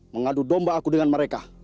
mengadu domba aku dengan mereka